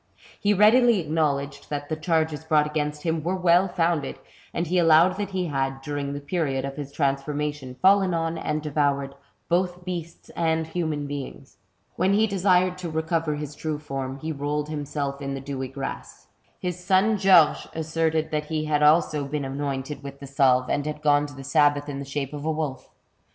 He readily acknowledged that the charges brought against him were well founded, and he allowed that he had, during the period of his transform ation, fallen on, and devoured, both beasts and human beings. When he desired to recover his true form, he rolled himself in the dewy grass. His son Georges asserted that he had also been anointed with the salve, and had gone to the sabbath in the shape of a wolf.